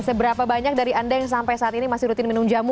seberapa banyak dari anda yang sampai saat ini masih rutin minum jamu